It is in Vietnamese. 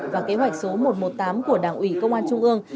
và kế hoạch số một trăm một mươi tám của đảng ủy công an trung ương